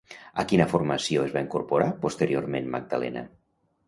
A quina formació es va incorporar posteriorment Magdalena?